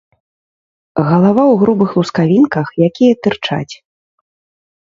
Галава ў грубых лускавінках, якія тырчаць.